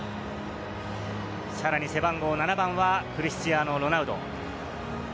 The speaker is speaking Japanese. さらに背番号７番はクリスティアーノ・ロナウド。